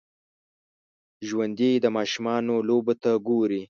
ژوندي د ماشومانو لوبو ته ګوري